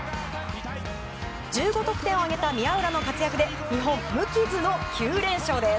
１５得点を挙げた宮浦の活躍で日本、無傷の９連勝です。